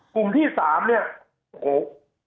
กลุ่มที่สามเนี่ยโอ้โห